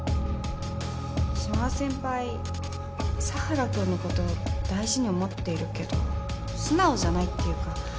佐原君のこと大事に思ってるけど素直じゃないっていうか。